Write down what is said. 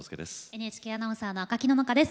ＮＨＫアナウンサーの赤木野々花です。